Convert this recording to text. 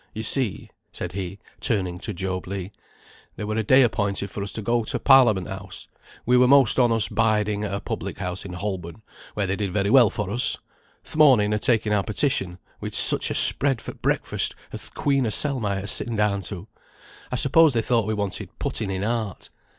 You see," said he, turning to Job Legh, "there were a day appointed for us to go to Parliament House. We were most on us biding at a public house in Holborn, where they did very well for us. Th' morning of taking our petition we'd such a spread for breakfast as th' Queen hersel might ha' sitten down to. I suppose they thought we wanted putting in heart.